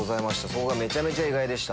そこがめちゃめちゃ意外でした。